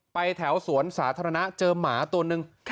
แถวสวนสาธารณะเจอหมาตัวนึง